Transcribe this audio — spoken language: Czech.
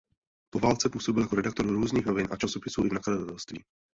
Po válce působil jako redaktor různých novin a časopisů i v nakladatelstvích.